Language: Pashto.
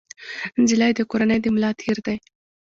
نجلۍ د کورنۍ د ملا تیر دی.